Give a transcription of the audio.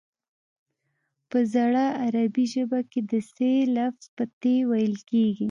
په زړه عربي ژبه کې د ث لفظ په ت ویل کېږي